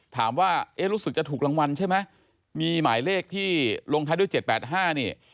เอ๊ะรู้สึกจะถูกรางวัลใช่ไหมมีหมายเลขที่ลงท้ายด้วย๗๘๕นี่